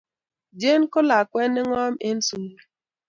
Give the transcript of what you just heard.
Jane ko lakwet ne ngom en sukul